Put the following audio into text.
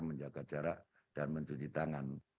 menjaga jarak dan mencuci tangan